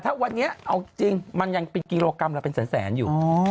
ถ้าวันนี้เอาจริงมันยังเป็นกิโลกรัมละเป็นแสนอยู่